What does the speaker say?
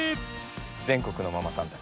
全国のママさんたち